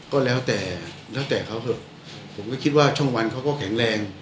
ก็แล้วแต่แล้วแต่เขาเถอะผมก็คิดว่าช่องวันเขาก็แข็งแรง